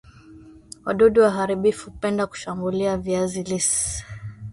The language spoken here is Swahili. wadudu waharibifu hupenda kushambulia Viazi lis